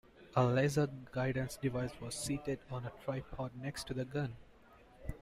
A laser guidance device was seated on a tripod next to the gun.